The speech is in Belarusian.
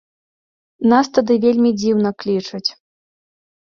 Нас туды вельмі дзіўна клічуць.